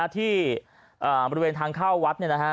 ที่บริเวณทางเข้าวัด